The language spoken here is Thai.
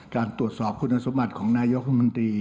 การตรวจสอบคุณสมบัติของนายกรมนตรี